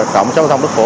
tổng giáo phòng đức phổ